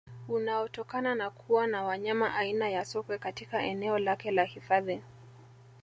Unaotokana na kuwa na wanyama aina ya Sokwe katika eneo lake la hifadhi